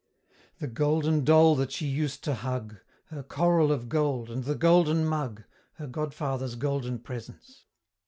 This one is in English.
The golden doll that she used to hug! Her coral of gold, and the golden mug! Her godfather's golden presents!